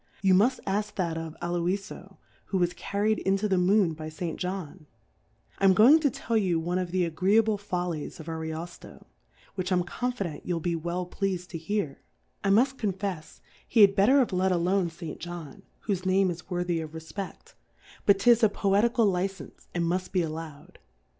You muil: ask that oi A'lolfo^ who was carri ed into the Moon by St. "Johii. I am go ing to tell you one of the agreeable Fol lies oijfiolco^ which Fm confident you'll be well pleas'd to hear : I muft con fefs he had better have let alone St. John^ D J whofe 54 Difccurfes on the whofe Name is worthy of Refpeft ; but 'tis a Poetical Licenfe, and muft be allow'd.